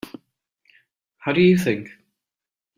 How do you think?